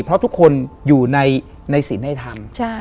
เพราะทุกคนอยู่ในศิลป์ให้ทำ